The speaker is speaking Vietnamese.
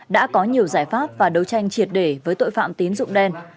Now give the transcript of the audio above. đã có nhiều giải pháp và đấu tranh triệt để với tội phạm tín dụng đen